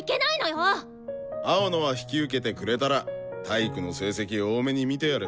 青野は引き受けてくれたら体育の成績大目に見てやる。